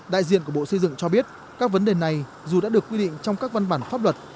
đại diện của bộ xây dựng cho biết các vấn đề này dù đã được quy định trong các văn bản pháp luật